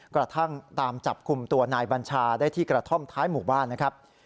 กระทั่งตามจับกลุ่มตัวนายบัญชาได้ที่กระท่อมท้ายหมู่บ้านนะครับ